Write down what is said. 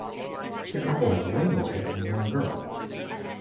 The couple has one boy and one girl.